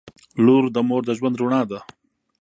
• لور د مور د ژوند رڼا ده.